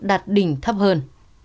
đạt đỉnh thấp hơn